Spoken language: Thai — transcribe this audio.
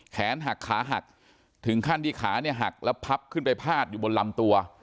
แขนหักขาหักถึงขั้นที่ขาเนี่ยหักแล้วพับขึ้นไปพาดอยู่บนลำตัว